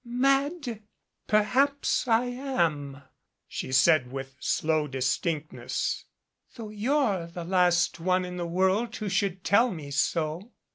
"Mad? Perhaps I am," she said with slow distinct ness. "Though you're the last one in the world who should tell me so."